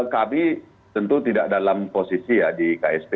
kami tentu tidak dalam posisi ya di ksp